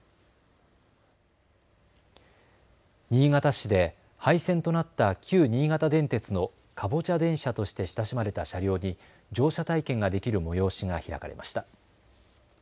新潟市で廃線となった旧新潟電鉄の、かぼちゃ電車として親しまれた車両に乗車体験ができる催しが開かれました。